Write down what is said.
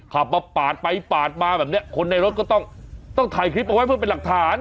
ขับมาปาดไปปาดมาแบบนี้คนในรถก็ต้องถ่ายคลิปเอาไว้เพื่อเป็นหลักฐาน